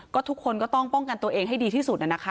ก็ทุกคนก็ต้องป้องกันตัวเองให้ดีที่สุดนะคะ